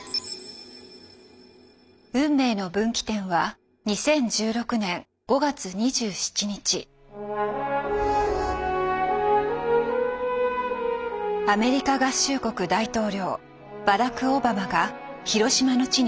運命の分岐点はアメリカ合衆国大統領バラク・オバマが広島の地に立ちました。